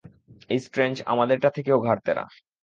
এই স্ট্রেঞ্জ আমাদেরটার থেকেও ঘাড়ত্যাড়া।